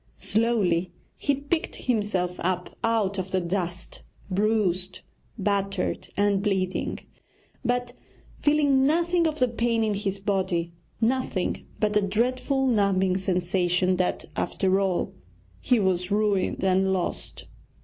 Slowly he picked himself up out of the dust, bruised, battered, and bleeding, but feeling nothing of the pain in his body, nothing but a dreadful numbing sensation that, after all, he was ruined and lost!